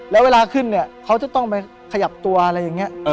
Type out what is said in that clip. แล้วเวลาขึ้นเนี่ยเขาจะต้องไปขยับตัวอะไรอย่างนี้